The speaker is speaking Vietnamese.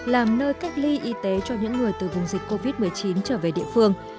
làm nơi cách ly y tế cho những người từ vùng dịch covid một mươi chín trở về địa phương